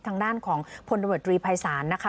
ทางด้านของพลบัญชรีภัยศาลนะคะ